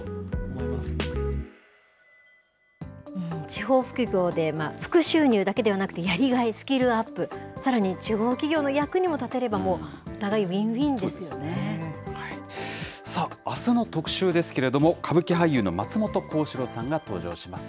地方副業で副収入だけではなくて、やりがい、スキルアップ、さらに地方企業の役にも立てれば、さあ、あすの特集ですけれども、歌舞伎俳優の松本幸四郎さんが登場します。